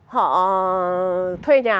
họ thuê nhà